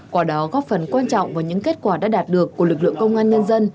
quả đó góp phần quan trọng vào những kết quả đã đạt được của lực lượng công an nhân dân